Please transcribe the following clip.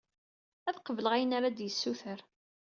Ad qebleɣ ayen ara d-yessuter.